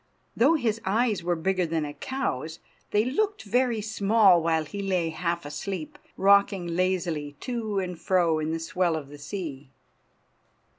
Though his eyes were bigger than a cow's they looked very small while he lay, half asleep, rocking lazily to and fro in the swell of the sea.